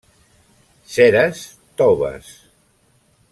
Ceres toves.